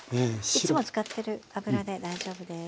いつも使っている油で大丈夫です。